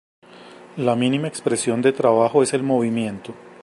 La mínima expresión de trabajo es el movimiento.